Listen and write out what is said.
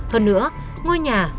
hơn nữa ngôi nhà đã bị bắt